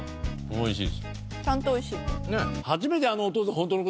おいしい。